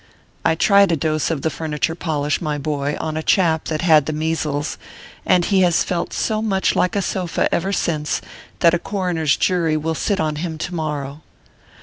I tried a dose of the furniture polish, my boy, on a chap that had the measles, and he has felt so much like a sofa ever since, that a coroner s jury will sit on him to morrow.